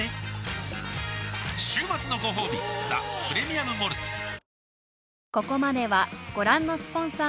週末のごほうび「ザ・プレミアム・モルツ」おおーーッ